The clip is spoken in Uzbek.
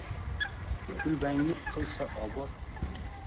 Kulbangni qilsa obod.